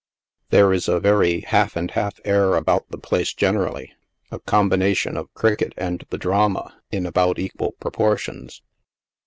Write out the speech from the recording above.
There is a very half and half air about the place generally — a combination of cricket and the drama, in about equal propor tions.